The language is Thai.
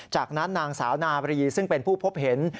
จากนั้นนางสาวนาบรีซึ่งเป็นผู้พบเห็น